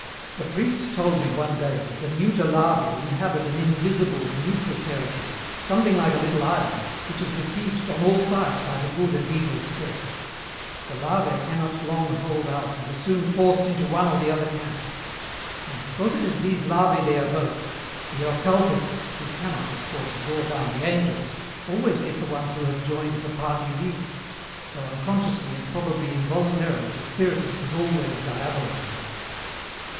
"A priest told me one day that the neuter larvæ inhabit an invisible, neutral territory, something like a little island, which is beseiged on all sides by the good and evil spirits. The larvæ cannot long hold out and are soon forced into one or the other camp. Now, because it is these larvæ they evoke, the occultists, who cannot, of course, draw down the angels, always get the ones who have joined the party of Evil, so unconsciously and probably involuntarily the spiritist is always diabolizing."